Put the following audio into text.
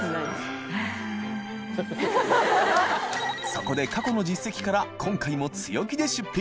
磴修海過去の実績から今回も強気で出品祺